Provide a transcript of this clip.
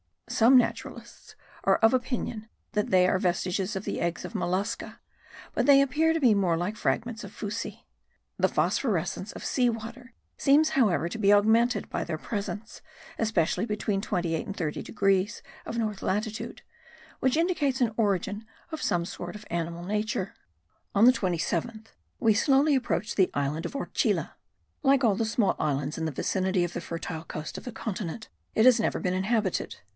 Some naturalists are of opinion that they are vestiges of the eggs of mollusca: but they appear to be more like fragments of fuci. The phosphorescence of sea water seems however to be augmented by their presence, especially between 28 and 30 degrees of north latitude, which indicates an origin of some sort of animal nature. On the 27th we slowly approached the island of Orchila. Like all the small islands in the vicinity of the fertile coast of the continent it has never been inhabited.